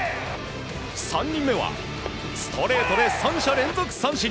３人目は、ストレートで３者連続三振。